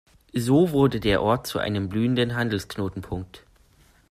So wurde der Ort zu einem blühenden Handelsknotenpunkt.